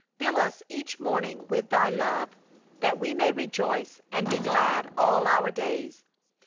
Fill us each morning with thy love That we may rejoice and be glad all our days.